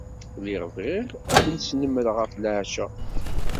Lliɣ bɣiɣ ad k-snemmreɣ ɣef leɛca.